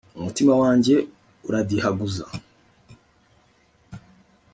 umutima wanjye uradihaguza